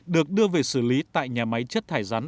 được đưa về xử lý tại nhà máy chất thải rắn